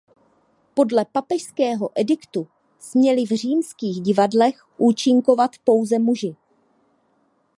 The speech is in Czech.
Podle papežského ediktu směli v římských divadlech účinkovat pouze muži.